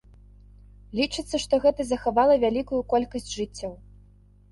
Лічыцца, што гэта захавала вялікую колькасць жыццяў.